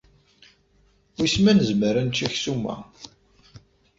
Wissen ma nezmer ad nečč aksum-a.